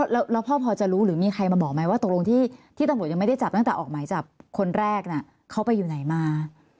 แล้วพ่อพอจะรู้หรือมีใครมาบอกไหมว่าตกลงที่ตำรวจยังไม่ได้จับตั้งแต่ออกหมายจับคนแรกเขาไปอยู่ไหนมา